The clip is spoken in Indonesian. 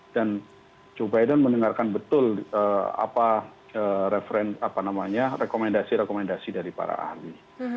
dan joe biden mendengarkan betul apa referensi apa namanya rekomendasi rekomendasi dari para ahli